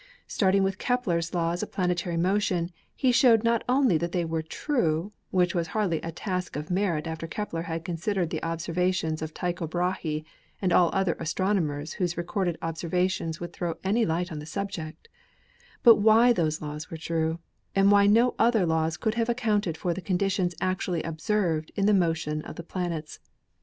Starting with Kepler's laws of planetary motion, he showed not only that they were true, which was hardly a task of merit after Kepler had considered the observations of Tycho Brahe and all other astronomers whose recorded observations would throw any light on the subject, but why these laws were true, and why no other laws could have accounted for the conditions actually observed in the motion of the planets.